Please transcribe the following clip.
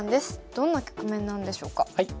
どんな局面なんでしょうか。